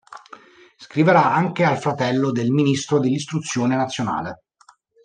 Scriverà anche al fratello del Ministro dell'Istruzione Nazionale.